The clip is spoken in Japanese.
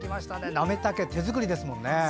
なめたけ、手作りですもんね。